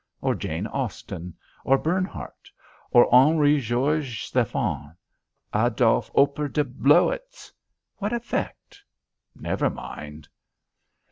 Or Jane Austen? Or Bernhardt? Or Henri Georges Stephane Adolphe Opper de Blowitz? What effect never mind.